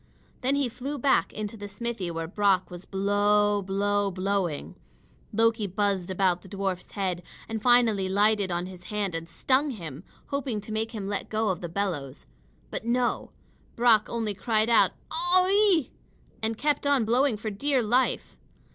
Then he flew back into the smithy where Brock was blow blow blowing. Loki buzzed about the dwarf's head, and finally lighted on his hand and stung him, hoping to make him let go the bellows. But no! Brock only cried out, "Oh ee!" and kept on blowing for dear life.